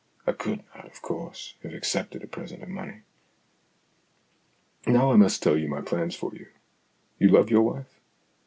" I could not, of course, have accepted a present of money." " Now I must tell you my plans for you. You love your wife